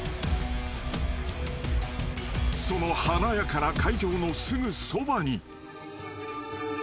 ［その華やかな会場のすぐそばに］